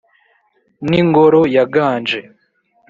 n’ingoro yaganje